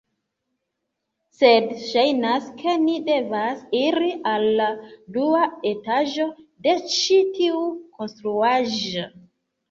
Sed ŝajnas ke ni devas iri al la dua etaĝo de ĉi tiu konstruaĵo